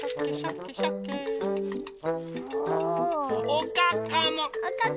おかかも。